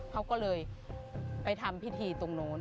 เขาก็เลยไปทำพิธีตรงโน้น